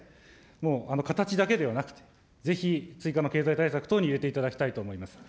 もう形だけではなくて、ぜひ追加の経済対策等に入れていただきたいと思います。